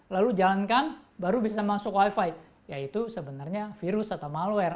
lalu jalankan baru bisa masuk wifi yaitu sebenarnya virus atau malware